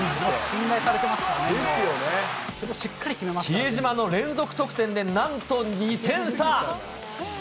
比江島の連続得点で、なんと２点差。